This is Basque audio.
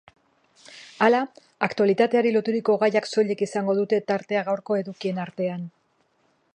Hala, aktualidadeari loturiko gaiak soilik izango dute tartea gaurko edukien artean.